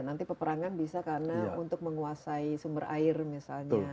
nanti peperangan bisa karena untuk menguasai sumber air misalnya